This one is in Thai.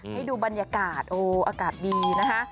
ให้ดูบรรยากาศโอ้อากาศดีนะคะ